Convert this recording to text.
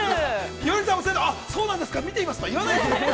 ◆ひよりさんも、あっ、そうなんですか、見てみますとか言わないの。